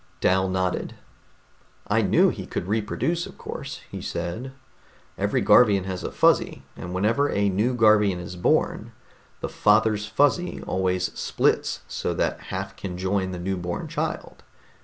Dal nodded. "I knew that he could reproduce, of course," he said. "Every Garvian has a Fuzzy, and whenever a new Garvian is born, the father's Fuzzy always splits so that half can join the new born child.